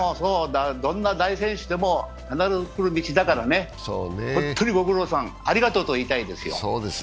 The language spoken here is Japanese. どんな大選手でも必ず来る道だからね、本当にご苦労さん、ありがとうと言いたいですよ。